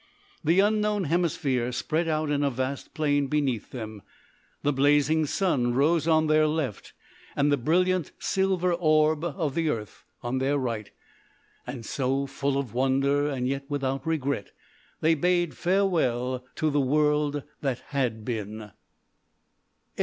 The Unknown Hemisphere spread out in a vast plain beneath them, the blazing sun rose on their left, and the brilliant silver orb of the earth on their right, and so, full of wonder and yet without regret, they bade farewell to the World that Had Been.